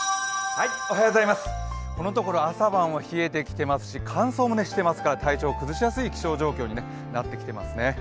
このところ朝晩は冷えてきていますし、乾燥もしていますから体調を崩しやすい気象状況になってきていますね。